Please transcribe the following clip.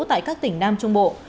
tại các tỉnh nam trung bộ